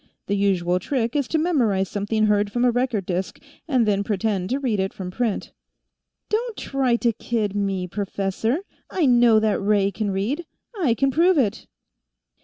The usual trick is to memorize something heard from a record disk, and then pretend to read it from print." "Don't try to kid me, professor. I know that Ray can read. I can prove it."